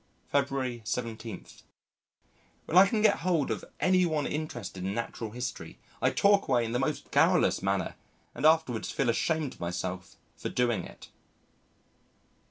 February 17. When I can get hold of any one interested in Natural History I talk away in the most garrulous manner and afterwards feel ashamed of myself for doing it.